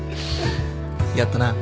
やったな。